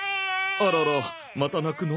あららまた泣くの？